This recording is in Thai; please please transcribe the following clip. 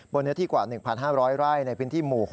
เนื้อที่กว่า๑๕๐๐ไร่ในพื้นที่หมู่๖